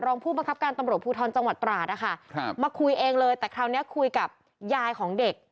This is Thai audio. รองผู้บังคับการตำรวจภูทรจังหวัดตราดนะคะครับมาคุยเองเลยแต่คราวนี้คุยกับยายของเด็ก